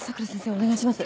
お願いします